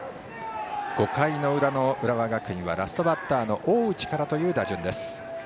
５回の裏の浦和学院はラストバッターの大内から。